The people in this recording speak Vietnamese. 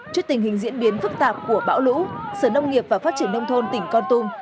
trước tình hình diễn biến phức tạp của bão lũ sở nông nghiệp và phát triển nông thôn tỉnh con tum